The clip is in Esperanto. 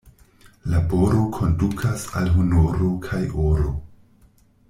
Laboro kondukas al honoro kaj oro.